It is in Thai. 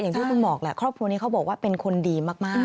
ที่เพิ่งบอกแหละครอบครัวนี้เขาบอกว่าเป็นคนดีมาก